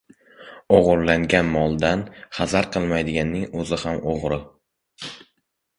• O‘g‘irlangan moldan xazar qilmaydiganning o‘zi ham o‘g‘ri.